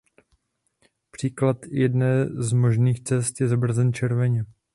Příklad jedné z možných cest je zobrazen červeně.